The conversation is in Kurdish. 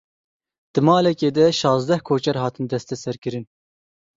Di malekê de şazdeh koçber hatin desteserkirin.